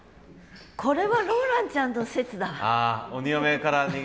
これはローランちゃんの説だわ。